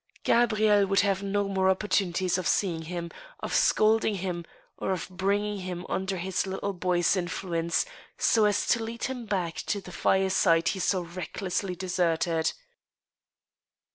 Gabrielle would have no more opportunities of seeing him, of scolding him, or of bringing him under his little boy's influence, so as to lead him back to the fireside he so recklessly de serted.